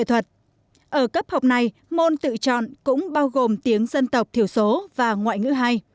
ở cấp học này môn tự chọn cũng bao gồm tiếng dân tộc thiểu số và ngoại ngữ hai